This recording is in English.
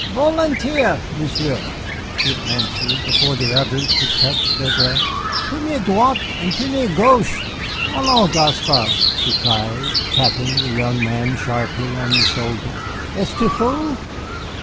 "Volontiers, Monsieur," she answered, before the others could catch their breath, "première droite et première gauche. Allons, Gaspard!" she cried, tapping the young man sharply on the shoulder, "es tu fou?"